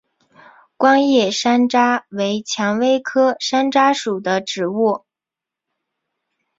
光叶山楂为蔷薇科山楂属的植物。